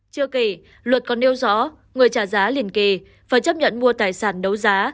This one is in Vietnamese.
chưa kỳ luật còn đeo rõ người trả giá liền kỳ và chấp nhận mua tài sản đấu giá